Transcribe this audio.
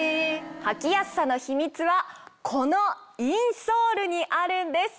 履きやすさの秘密はこのインソールにあるんです。